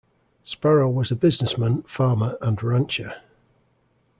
Sparrow was a businessman, farmer and rancher.